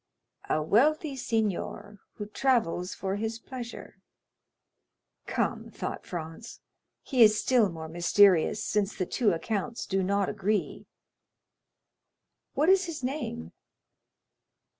"A wealthy signor, who travels for his pleasure." "Come," thought Franz, "he is still more mysterious, since the two accounts do not agree." "What is his name?"